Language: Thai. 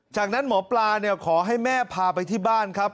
จากนั้นหมอปลาขอให้แม่พาไปที่บ้านครับ